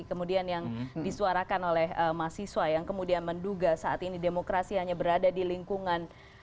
kemudian yang disuarakan oleh mahasiswa yang kemudian menduga saat ini demokrasi hanya berada di lingkungan